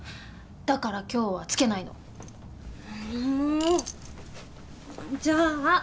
だから今日はつけないのじゃあ